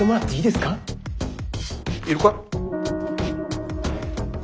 いるか？